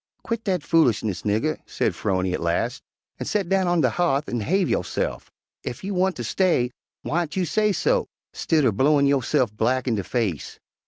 "Quit dat foolishness, nigger," said 'Phrony at last, "an' set down on de ha'th an' 'have yo'se'f. Ef you wanter stay, whyn't you sesso, stidder blowin' yo'se'f black in de face?